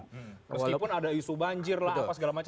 meskipun ada isu banjir lah apa segala macam